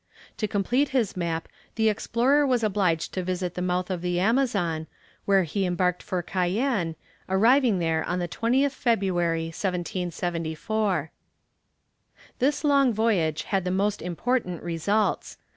To complete his map, the explorer was obliged to visit the mouth of the Amazon, where he embarked for Cayenne, arriving there on the 20th February, 1774. This long voyage had the most important results.